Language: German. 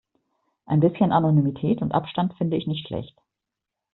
Ein bisschen Anonymität und Abstand finde ich nicht schlecht.